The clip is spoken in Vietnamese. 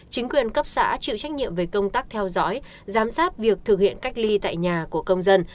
chính quyền cấp xã chịu trách nhiệm về công tác theo dõi giám sát việc thực hiện cách ly tại nhà của công dân